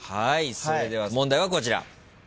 それでは問題はこちら。